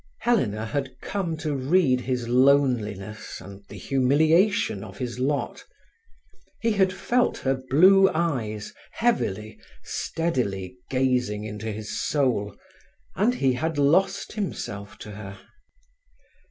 Helena had come to read his loneliness and the humiliation of his lot. He had felt her blue eyes, heavily, steadily gazing into his soul, and he had lost himself to her.